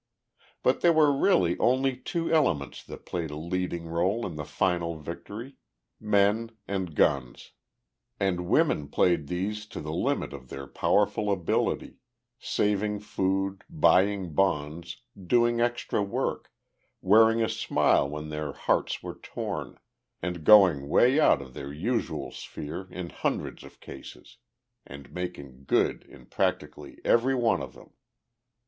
But there were really only two elements that played a leading role in the final victory men and guns. And women backed these to the limit of their powerful ability saving food, buying bonds, doing extra work, wearing a smile when their hearts were torn, and going 'way out of their usual sphere in hundreds of cases and making good in practically every one of them.